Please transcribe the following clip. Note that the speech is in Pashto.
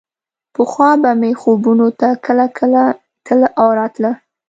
پخوا به مې خوبونو ته کله کله تله او راتله.